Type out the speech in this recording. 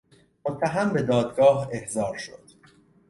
متهم به دادگاه احضار شد.